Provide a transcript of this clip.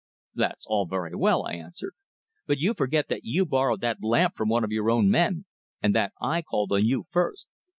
"That's all very well," I answered. "But you forget that you borrowed that lamp from one of your own men, and that I called on you first."